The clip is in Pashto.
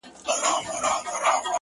كله.ناكله غلتيږي څــوك غوصه راځـي.